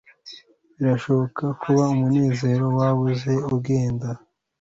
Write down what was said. Birashobora kuba umunezero wabuze ugenda